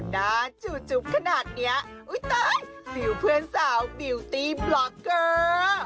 ตายบิวเพื่อนสาวบิวตีบล็อกเกอร์